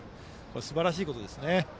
すばらしいことですね。